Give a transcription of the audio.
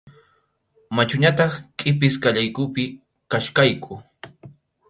Machuñataq qʼipisqallaykupi kachkayku.